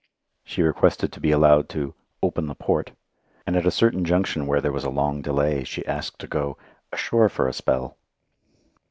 She requested to be allowed to "open the port"; and at a certain junction where there was a long delay she asked to go "ashore for a spell."